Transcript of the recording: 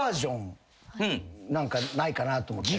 何かないかなと思って。